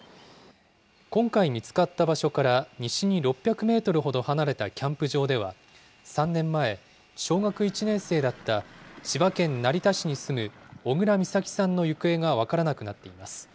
今回見つかった場所から西に６００メートルほど離れたキャンプ場では、３年前、小学１年生だった千葉県成田市に住む小倉美咲さんの行方が分からなくなっています。